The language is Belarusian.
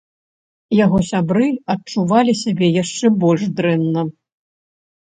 Яго сябры адчувалі сябе яшчэ больш дрэнна.